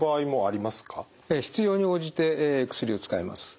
必要に応じて薬を使います。